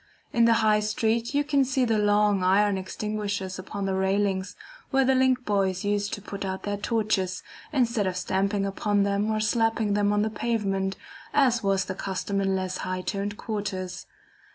In the High Street you can see the long iron extinguishers upon the railings where the link boys used to put out their torches, instead of stamping upon them or slapping them on the pavement, as was the custom in less high toned quarters.